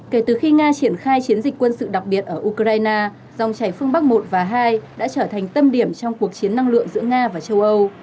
kể từ khi nga triển khai chiến dịch quân sự đặc biệt ở ukraine dòng chảy phương bắc một và hai đã trở thành tâm điểm trong cuộc chiến năng lượng giữa nga và châu âu